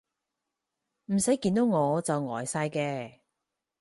唔使見到我就呆晒嘅